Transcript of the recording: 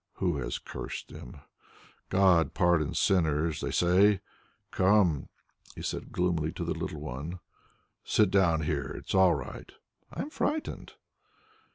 "Who has cursed them. God pardons sinners, they say. Come!" he said gloomily to the little one. "Sit down here. It is all right." "I am frightened."